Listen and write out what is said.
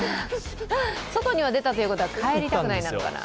外には出たということは、帰りたくないなのかな？